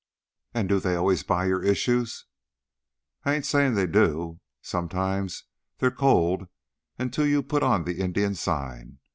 "And do they always buy your issues?" "I ain't saying they do. Sometimes they're cold until you put on the Indian sign.